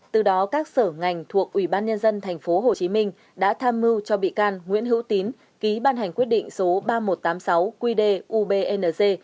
từ đó các sở ngành thuộc ubnd tp hcm đã tham mưu cho bị can nguyễn hữu tín ký ban hành quyết định số ba nghìn một trăm tám mươi sáu qdubng